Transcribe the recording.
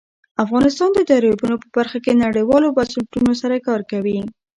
افغانستان د دریابونه په برخه کې نړیوالو بنسټونو سره کار کوي.